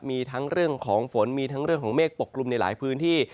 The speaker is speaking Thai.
มีทั้งเรื่องของฝนมีทั้งเรื่องของเมฆปกกลุ่มในหลายพื้นที่